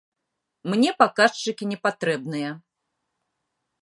Мне паказчыкі не патрэбныя.